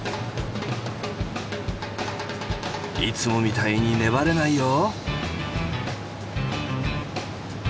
いつもみたいに粘れないよ。